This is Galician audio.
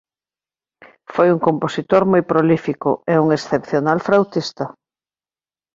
Foi un compositor moi prolífico e un excepcional frautista.